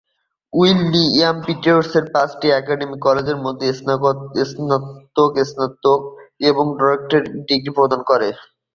William Paterson পাঁচটি academic কলেজের মাধ্যমে স্নাতক, স্নাতক এবং ডক্টরেট ডিগ্রি প্রদান করে।